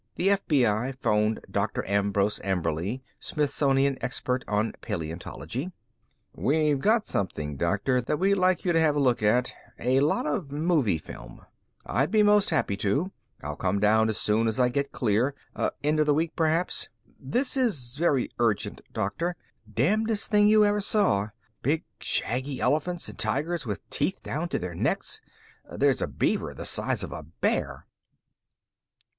The FBI phoned Dr. Ambrose Amberly, Smithsonian expert on paleontology. "We've got something, Doctor, that we'd like you to have a look at. A lot of movie film." "I'll be most happy to. I'll come down as soon as I get clear. End of the week, perhaps?" "This is very urgent, Doctor. Damnest thing you ever saw. Big, shaggy elephants and tigers with teeth down to their necks. There's a beaver the size of a bear."